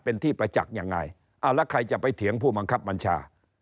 เป็นที่ประจักษ์ยังไงเอาแล้วใครจะไปเถียงผู้บังคับบัญชา